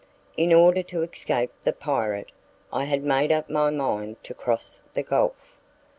In order to escape the pirate, I had made up my mind to cross the gulf.